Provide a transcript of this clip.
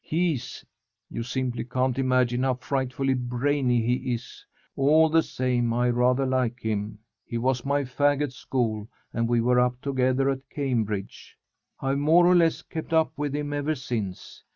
He's you simply can't imagine how frightfully brainy he is. All the same I rather like him. He was my fag at school and we were up together at Cambridge. I've more or less kept up with him ever since.